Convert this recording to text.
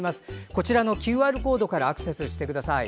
こちらのＱＲコードからアクセスしてください。